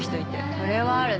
それはあるね